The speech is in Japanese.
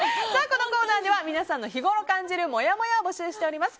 このコーナーでは皆さんの日頃感じるもやもやを募集しております。